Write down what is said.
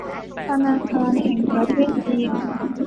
ธนาคารแห่งประเทศจีน